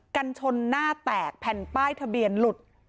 กันชนหน้าแตกแผ่นป้ายทะเบียนหลุด